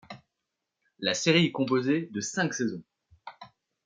La série est composée de cinq saisons.